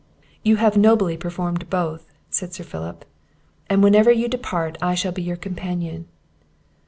"You have nobly performed both," said Sir Philip, "and whenever you depart I shall be your companion."